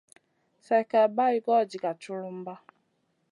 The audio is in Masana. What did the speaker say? Slèkka bày goyo diga culumba.